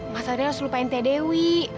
mas satria harus lupain teh dewi